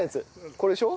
これでしょ？